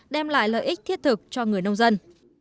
đem lại lợi ích thiết thực cho người nông dân